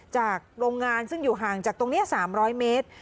โรงงานซึ่งอยู่ห่างจากตรงนี้๓๐๐เมตร